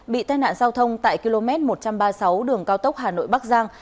bị tai nạn giao thông tại km một trăm ba mươi sáu đường cao tốc hà nội bắc giang